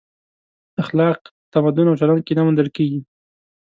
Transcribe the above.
اخلاق تمدن او چلن کې نه موندل کېږي.